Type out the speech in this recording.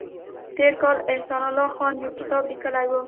تېر کال احسان الله خان یو کتاب لیکلی و